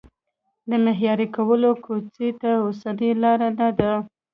د معیاري کولو کوڅې ته اوسنۍ لار نه ده.